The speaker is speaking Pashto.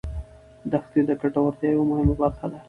دښتې د ګټورتیا یوه مهمه برخه ده.